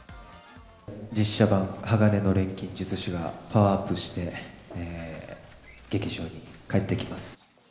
実写版鋼の錬金術師がパワーアップして、劇場に帰ってきます。